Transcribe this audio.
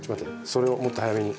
それをもっと早めに。